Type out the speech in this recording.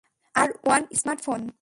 R1, smartphone.